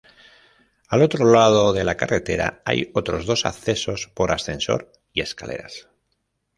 Al otro lado de la carretera hay otros dos accesos, por ascensor y escaleras.